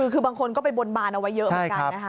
คือบางคนก็ไปบนบานเอาไว้เยอะเหมือนกันนะคะ